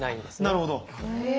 なるほど。